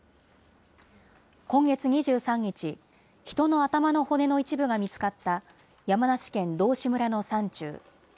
今月２３日、人の頭の骨の一部が見つかった、山梨県道志村の山中。